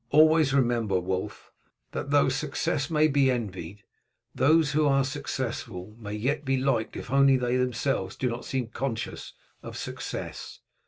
Always remember, Wulf, that though success may be envied, those who are successful may yet be liked if only they themselves do not seem conscious of success.